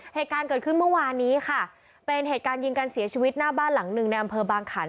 เหตุการณ์เกิดขึ้นเมื่อวานนี้ค่ะเป็นเหตุการณ์ยิงกันเสียชีวิตหน้าบ้านหลังหนึ่งในอำเภอบางขัน